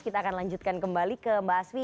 kita akan lanjutkan kembali ke mbak asfi